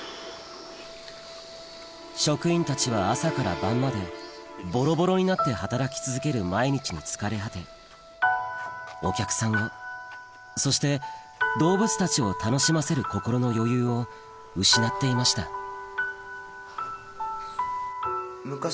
職員たちは朝から晩までぼろぼろになって働き続ける毎日に疲れ果てお客さんをそして動物たちを楽しませる心の余裕を失っていましたうわ